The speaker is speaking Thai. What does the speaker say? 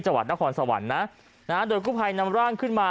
จังหวัดนครสวรรค์นะโดยกู้ภัยนำร่างขึ้นมา